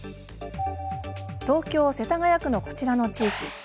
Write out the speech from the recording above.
東京・世田谷区のこちらの地域。